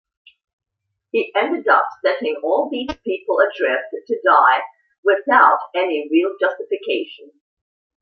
He ended up setting all these people adrift to die, without any real justification.